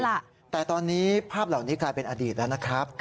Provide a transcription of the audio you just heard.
แต่ตอนนี้ภาพเหล่านี้กลายเป็นอดีตแล้วนะครับ